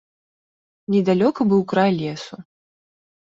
Недалёка быў край лесу.